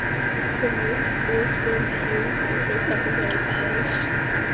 The merged schools formed Hume Central Secondary College.